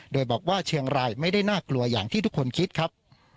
โดยบอกว่าเชียงรายไม่ได้น่ากลัวอย่างที่ทุกคนคิดครับ